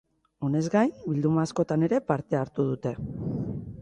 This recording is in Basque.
Honez gain, bilduma askotan ere parte hartu dute.